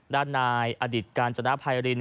ด้านนายอดิษฐ์การจนาภัยรินทร์